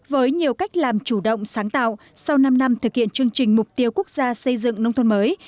với nhiều cách làm chủ động sáng tạo sau năm năm thực hiện chương trình mục tiêu quốc gia xây dựng nông thôn mới